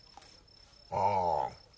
ああ